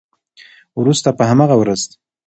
وروسته په همغه ورځ